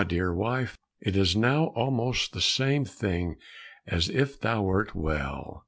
dear wife, it is now almost the same thing as if thou wert well!